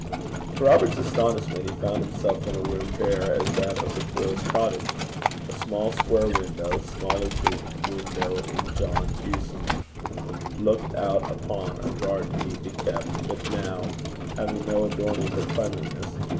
To Robert's astonishment, he found himself in a room bare as that of the poorest cottage. A small square window, small as the window in John Hewson's, looked out upon a garden neatly kept, but now 'having no adorning but cleanliness.'